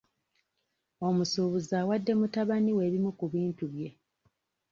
Omusuubuzi awadde mutabani we ebimu ku bintu bye.